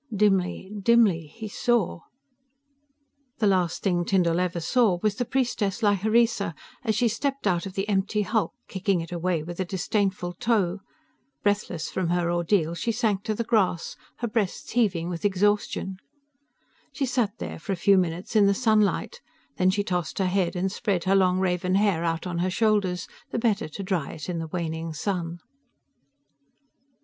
dimly ... dimly ... he saw ... The last thing Tyndall ever saw was the Priestess Lhyreesa as she stepped out of the empty hulk, kicking it away with a disdainful toe. Breathless from her ordeal, she sank to the grass, her breasts heaving with exhaustion. She sat there for a few minutes in the sunlight, then she tossed her head and spread her long raven hair out on her shoulders, the better to dry it in the waning sun.